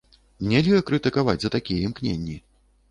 Нельга крытыкаваць за такія імкненні!